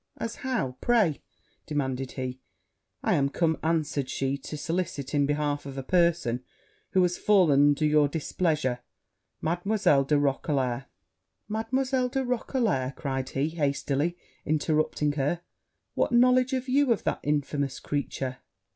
As how, pray?' demanded he. 'I am come,' answered she, 'to solicit in behalf of a person who has fallen under your displeasure Mademoiselle de Roquelair.' 'Mademoiselle de Roquelair!' cried he, hastily interrupting her: 'what knowledge can you have of that infamous creature?'